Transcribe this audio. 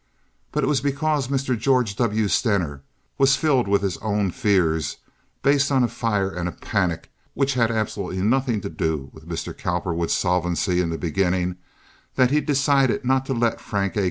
But it was because Mr. George W. Stener was filled with his own fears, based on a fire and a panic which had absolutely nothing to do with Mr. Cowperwood's solvency in the beginning that he decided not to let Frank A.